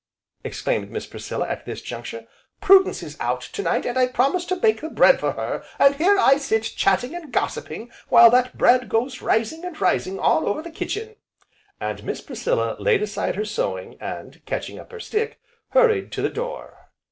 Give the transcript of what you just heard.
exclaimed Miss Priscilla, at this juncture, "Prudence is out, to night, and I promised to bake the bread for her, and here I sit chatting, and gossipping while that bread goes rising, and rising all over the kitchen!" And Miss Priscilla laid aside her sewing, and catching up her stick, hurried to the door.